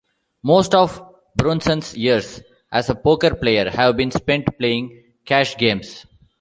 Most of Brunson's years as a poker player have been spent playing cash games.